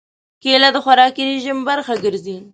کېله د خوراکي رژیم برخه ګرځي.